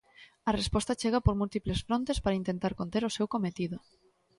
A resposta chega por múltiples frontes para intentar conter o seu cometido.